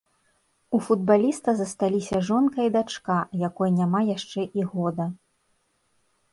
У футбаліста засталіся жонка і дачка, якой няма яшчэ і года.